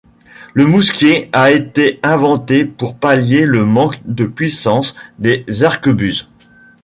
Le mousquet a été inventé pour pallier le manque de puissance des arquebuses.